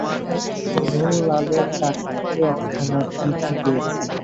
হঠাৎ শোভনলালের কাছ থেকে একখানা চিঠি পেয়েছি।